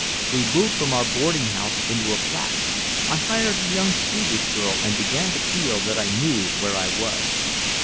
We moved from our boarding house into a flat. I hired a young Swedish girl and began to feel that I knew where I was.